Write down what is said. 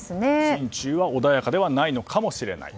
心中は穏やかではないのかもしれない。